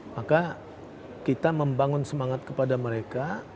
maka kita membangun semangat kepada mereka